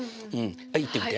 はい言ってみて。